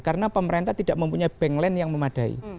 karena pemerintah tidak mempunyai bank land yang memadai